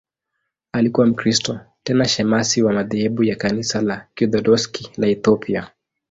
Alikuwa Mkristo, tena shemasi wa madhehebu ya Kanisa la Kiorthodoksi la Ethiopia.